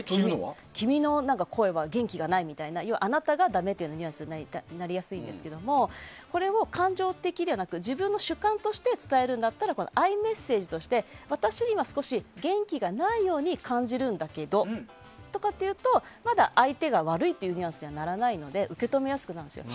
君の声は元気がないみたいなあなたがだめというニュアンスになりやすいんですがこれを感情的ではなく自分の主観として伝えるんだったら「Ｉ」メッセージとして私には少し元気がないように感じるんだけどと言うとまだ、相手が悪いというニュアンスにはならないので受け止めやすくなる。